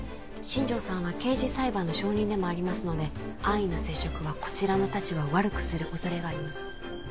新庄さんは刑事裁判の証人でもありますので安易な接触はこちらの立場を悪くする恐れがあります